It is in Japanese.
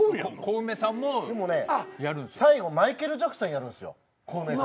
でもね最後マイケル・ジャクソンやるんすよコウメさん。